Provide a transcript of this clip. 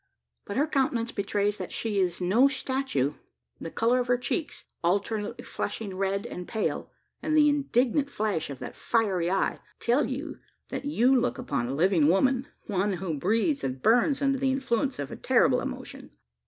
But her countenance betrays that she is no statue. The colour of her cheeks alternately flushing red and pale and the indignant flash of that fiery eye, tell you that you look upon a living woman one who breathes and burns under the influence of a terrible emotion.